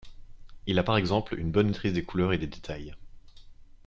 Il a par exemple une bonne maîtrise des couleurs et des détails.